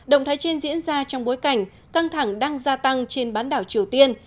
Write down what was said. động thái trên diễn ra trong bối cảnh căng thẳng đang gia tăng trên bán đảo triều tiên